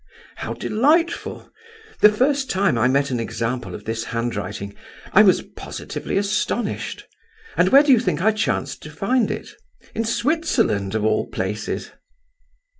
How delightful! The first time I met an example of this handwriting, I was positively astonished, and where do you think I chanced to find it? In Switzerland, of all places!